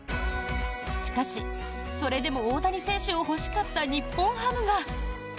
しかし、それでも大谷選手を欲しかった日本ハムが。